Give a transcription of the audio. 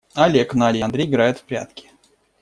Олег, Надя и Андрей играют в прятки.